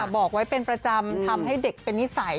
บอกไว้เป็นประจำทำให้เด็กเป็นนิสัย